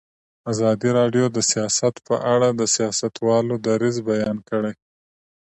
ازادي راډیو د سیاست په اړه د سیاستوالو دریځ بیان کړی.